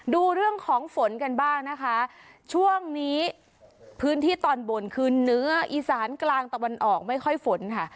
ดูเรื่องของฝนกันบ้างนะคะช่วงนี้พื้นที่ตอนบนคือเนื้ออีสานกลางตะวันออกไม่ค่อยฝนค่ะ